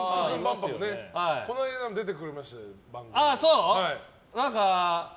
この間も出てくれましたけど、番組。